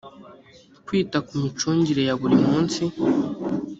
kwita ku micungire ya buri munsi